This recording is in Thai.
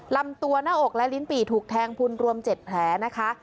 ลำตัวหน้าอกและลิ้นปี่ถูกแทงพุนรวม๗แผลนะคะ